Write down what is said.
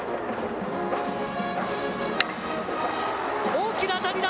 大きな当たりだ。